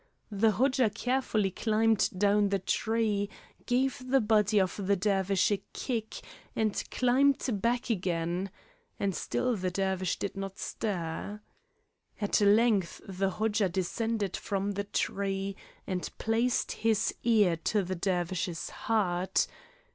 The Hodja carefully climbed down the tree, gave the body of the Dervish a kick, and climbed back again, and still the Dervish did not stir. At length the Hodja descended from the tree and placed his ear to the Dervish's heart.